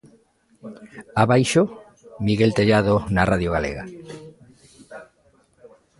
Abaixo: Miguel Tellado, na Radio Galega.